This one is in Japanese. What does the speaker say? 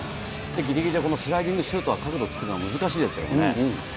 ぎりぎりでこのスライディングシュートは角度をつけるのが難しいですけどね。